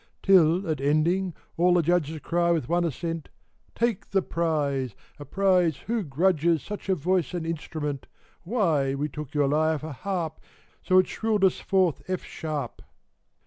Till, at ending, all the judges Cry with one assent " Take the prize — a prize who grudges Such a voice and instrument? Why, we took your lyre for harp, So it shrilled us forth F sharp